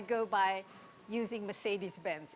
menggunakan mercedes benz